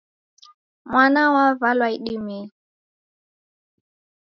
Mwana wavalwa idimei.